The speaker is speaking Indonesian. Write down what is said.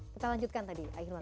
kita lanjutkan tadi ayah iman